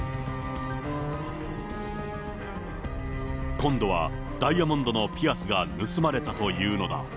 今度はダイヤモンドのピアスが盗まれたというのだ。